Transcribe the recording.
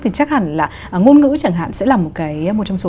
thì chắc hẳn là ngôn ngữ chẳng hạn sẽ là một trong số